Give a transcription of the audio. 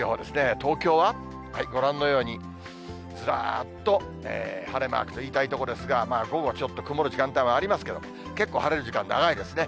東京はご覧のように、ずらっと晴れマークと言いたいところですが、午後ちょっと曇る時間帯もありますけど、結構晴れる時間長いですね。